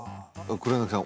黒柳さん